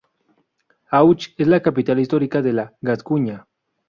Auch es la capital histórica de la Gascuña.